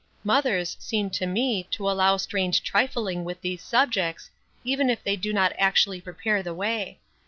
Mothers seem to me to allow strange trifling with these subjects, even if they do not actually prepare the way.